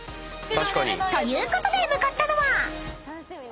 ［ということで向かったのは］